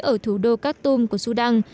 ở thủ đô khartoum của sudan